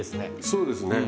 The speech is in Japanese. そうですね。